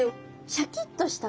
シャキッとした感じの。